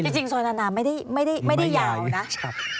จริงซอยนานาไม่ได้ยาวนะ